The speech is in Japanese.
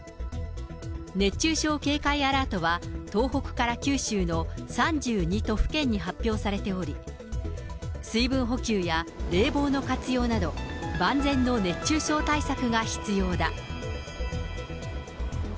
熱中症警戒アラートは、東北から九州の３２都府県に発表されており、水分補給や冷房の活用など、万全の熱中症対策が必要だ。